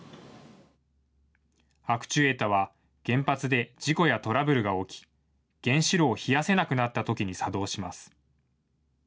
アクチュエータは、原発で事故やトラブルが起き、原子炉を冷やせなくなったときに作動します。